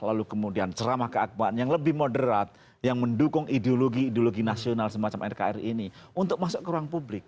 lalu kemudian ceramah keakbaan yang lebih moderat yang mendukung ideologi ideologi nasional semacam rkri ini untuk masuk ke ruang publik